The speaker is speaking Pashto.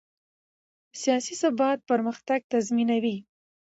سیاسي ثبات پرمختګ تضمینوي